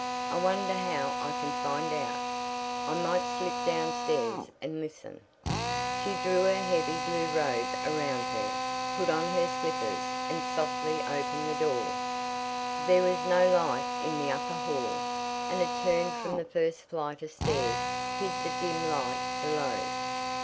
I wonder how I can find out. I might slip downstairs and listen." She drew her heavy blue robe around her, put on her slippers and softly opened the door. There was no light in the upper hall, and a turn from the first flight of stairs hid the dim light below.